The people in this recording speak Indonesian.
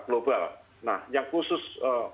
global nah yang khusus